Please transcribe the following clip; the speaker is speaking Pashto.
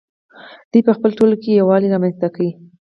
دوی په خپل ټولګي کې یووالی رامنځته کړ.